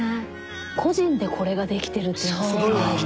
個人でこれができてるっていうのがすごいよね